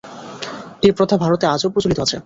এই প্রথা ভারতে আজও প্রচলিত আছে।